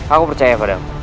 aku percaya padamu